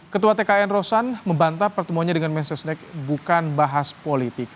ketua tkn rosan membantah pertemuan dengan menteri sekretaris negara pratikno bukan bahas politik